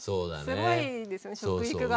すごいですよね食育が。